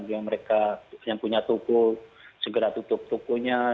yang mereka yang punya tukul segera tutup tukul